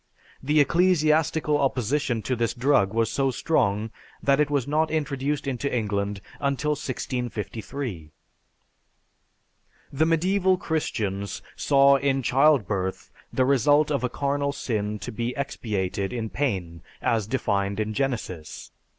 The ecclesiastical opposition to this drug was so strong that it was not introduced into England until 1653. The medieval Christians saw in childbirth the result of a carnal sin to be expiated in pain as defined in Genesis.